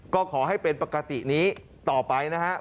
ก็ขอให้เป็นปกตินี้ต่อไปนะครับ